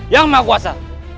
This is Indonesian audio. yang maha kuasa